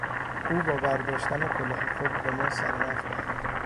او با برداشتن کلاه خود به ما سر نخ داد.